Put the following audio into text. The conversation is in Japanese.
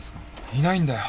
いないんだよ！